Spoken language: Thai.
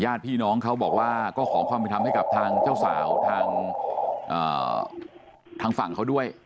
ญาติพี่น้องเขาบอกว่าก็ขอความเป็นธรรมให้กับทางเจ้าสาวทางฝั่งเขาด้วย